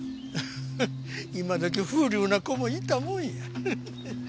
今時風流な子もいたもんや。